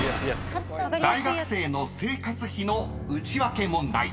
［大学生の生活費のウチワケ問題］